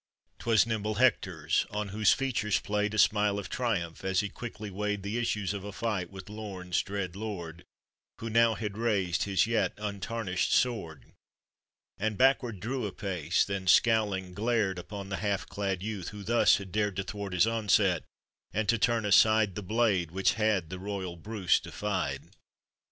'Twas nimble Hector's, on whose features played A smile of triumph, as he quickly weighed The issues of a fight with Lorn's dread lord, Who now had raised his yet untarnished sword, POETRY ON OR ABOUT THE And backward drew a pace, then scowling glared Upon the half clad youth who thus had dared To thwart his onset, and to turn aside The blade which had the royal Bruce defied.